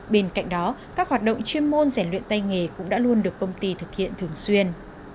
bên cạnh đó các hoạt động chuyên môn giải luyện tay nghề cũng đã luôn được công ty thực hiện thường xuyên